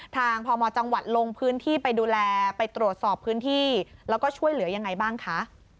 พมจังหวัดลงพื้นที่ไปดูแลไปตรวจสอบพื้นที่แล้วก็ช่วยเหลือยังไงบ้างคะ